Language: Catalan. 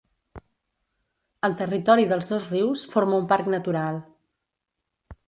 El territori dels dos rius forma un parc natural.